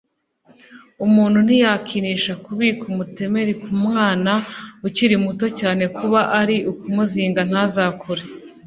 Umuntu ntiyakinisha kubika umutemeri ku mwana ukiri muto cyane, kuba ari ukumuzinga ntazakure